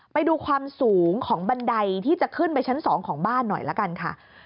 ไปดูความสูงของบันไดที่จะขึ้นไปชั้น๒ของบ้านหน่อยละกันค่ะ